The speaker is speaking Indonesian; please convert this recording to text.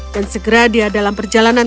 dan segera dia dalam perjalanan